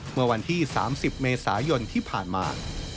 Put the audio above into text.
เมื่อวันที่๓๐เมษายนที่ผ่านมา